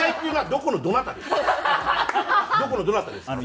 どこのどなたですか？